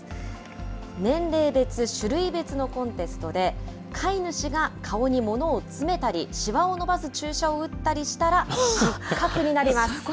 年齢別、種類別のコンテストで、飼い主が顔に物を詰めたり、しわを伸ばす注射を打ったりしたら失格になります。